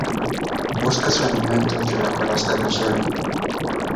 Busca su alimento entre la hojarasca del suelo.